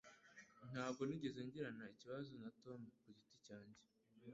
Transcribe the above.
Ntabwo nigeze ngirana ikibazo na Tom ku giti cyanjye